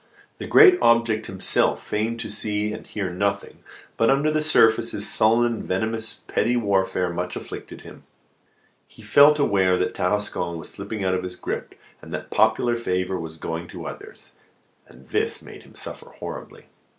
The great object himself feigned to see and hear nothing; but, under the surface, this sullen and venomous petty warfare much afflicted him. He felt aware that Tarascon was slipping out of his grip, and that popular favour was going to others; and this made him suffer horribly.